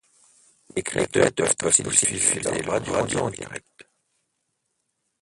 Les créateurs peuvent aussi diffuser leur radio en direct.